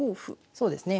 そうですね